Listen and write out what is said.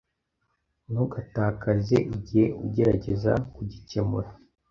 Ntugatakaze igihe ugerageza kugikemura .